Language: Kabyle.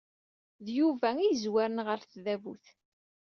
D Yuba ay yezwaren ɣer tdabut.